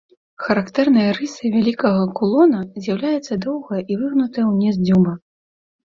Характэрнай рысай вялікага кулона з'яўляецца доўгая і выгнутая ўніз дзюба.